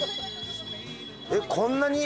えっこんなに？